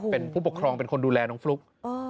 เป็นผู้ปกครองเป็นคนดูแลน้องฟลุ๊ก